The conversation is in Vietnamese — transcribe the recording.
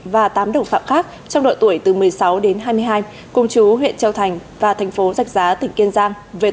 và tám đồng phạm khác trong độ tuổi từ một mươi sáu đến hai mươi hai cùng chú huyện châu thành và thành phố giạch giá tỉnh kiên giang